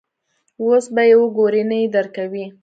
اوس به یې وګورې، نه یې درکوي.